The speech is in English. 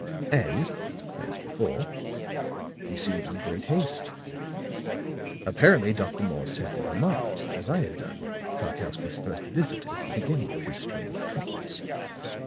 And as before, he seemed in great haste. Apparently Dr. Morse had never marked, as I had done, Karkowsky's first visit as the beginning of his strange troubles.